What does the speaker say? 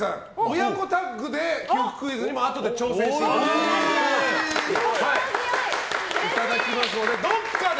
親子タッグで記憶クイズにあとで挑戦していただきます。